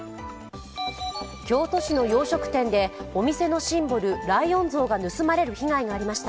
京都市の洋食店でお店のシンボル、ライオン像が盗まれる被害がありました。